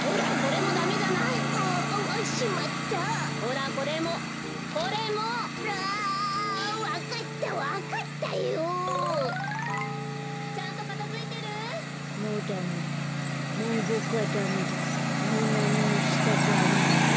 もうなにもしたくありません。